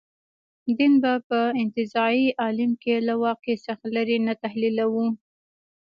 دین به په انتزاعي عالم کې له واقع څخه لرې نه تحلیلوو.